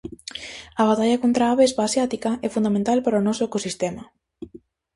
A batalla contra a avespa asiática é fundamental para o noso ecosistema.